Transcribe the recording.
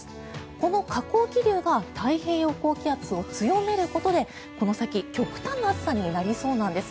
この下降気流が太平洋高気圧を強めることでこの先、極端な暑さになりそうなんです。